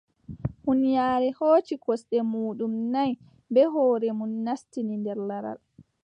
Huunyaare hooci kosɗe muuɗum nay, bee hoore mum naastini nder laral.